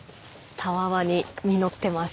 たわわに実ってます。